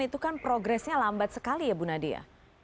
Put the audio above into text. itu kan progresnya lambat sekali ya bu nadia